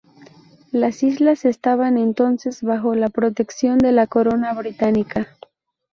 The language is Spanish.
Las islas estaban entonces bajo la protección de la corona británica.